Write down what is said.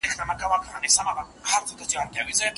آیا اره تر چاقو ډېر لرګي پرې کوي؟